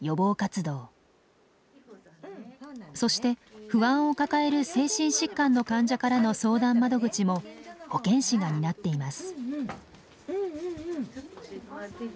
そして不安を抱える精神疾患の患者からの相談窓口も保健師が担っています。